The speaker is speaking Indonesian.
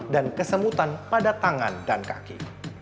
dan kesemutan pada tangan dan kaki